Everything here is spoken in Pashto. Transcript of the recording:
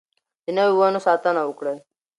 د نويو ونو ساتنه وکړئ.